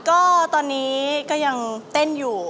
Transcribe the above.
ก็ตอนนี้ก็ยังเต้นอยู่